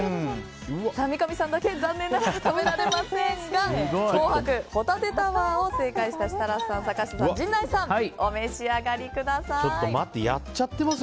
三上さんだけ残念ながら食べられませんが紅白ホタテタワーを正解した設楽さん、坂下さんやっちゃってますよ